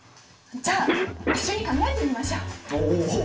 じゃあ一緒に考えてみましょう！